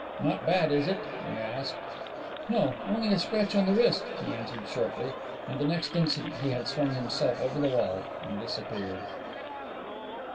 "Not bad, is it?" I asked. "No; only a scratch on the wrist," he answered shortly, and the next instant he had swung himself over the wall and disappeared.